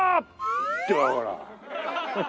ってほら。